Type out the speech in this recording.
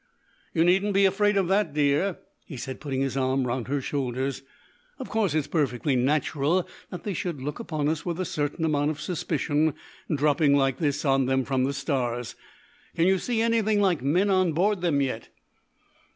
"You needn't be afraid of that, dear," he said, putting his arm round her shoulders. "Of course it's perfectly natural that they should look upon us with a certain amount of suspicion, dropping like this on them from the stars. Can you see anything like men on board them yet?"